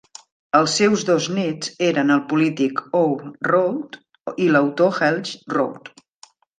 Els seus dos néts eren el polític Ove Rode i l'autor Helge Rode.